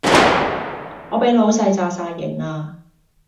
我俾老細炸哂型呀